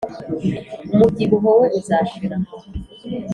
umubyibuho we uzashira.